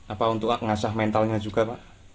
apa untuk mengasah mentalnya juga pak